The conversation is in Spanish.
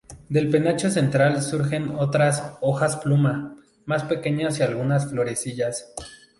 Del penacho central surgen otras "hojas-plumas" más pequeñas y algunas florecillas.